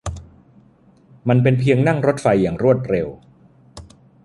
มันเป็นเพียงนั่งรถไฟอย่างรวดเร็ว